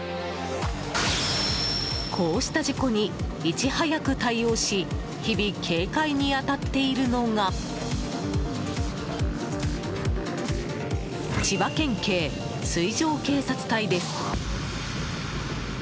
こうした事故にいち早く対応し日々、警戒に当たっているのが千葉県警水上警察隊です。